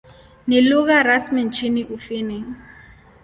Ni lugha rasmi nchini Ufini.